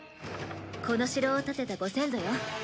この城を建てたご先祖よ。